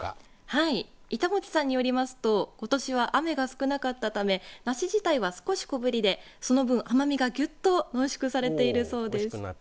はい、板持さんによりますとことしは雨が少なかったため梨自体は少し小ぶりでその分、甘みがぎゅっと濃縮されているそうです。